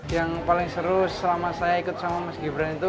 yang paling seru selama saya ikut sama mas gibran itu